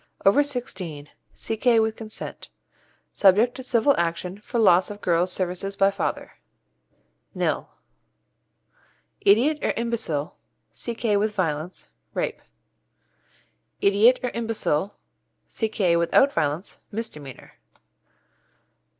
Over sixteen C.K. with consent Nil. Subject to civil action for loss of girl's services by father. Idiot or imbecile C.K. with violence Rape. Idiot or imbecile C.K. without violence Misdemeanour.